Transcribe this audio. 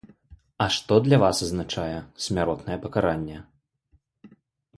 А што для вас азначае смяротнае пакаранне?